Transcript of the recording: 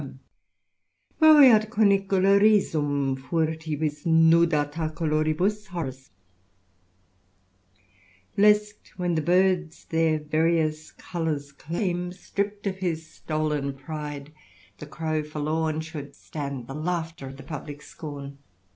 Moveat comicula risum Furtivis nudata coloribus*^ HO'SC '* Lest when the birds their various colours claim, Stripp'd of his stolen pride, the crow forlorn Should stand the laughter of the publick scorn."